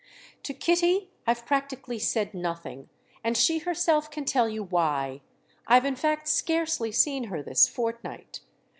"To Kitty I've practically said nothing—and she herself can tell you why: I've in fact scarcely seen her this fortnight.